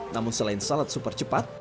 namun selain salad super cepat